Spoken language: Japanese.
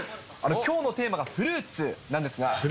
きょうのテーマがフルーツなんですが。